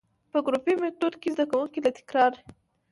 په ګروپي ميتود کي زده کوونکي له تکراري،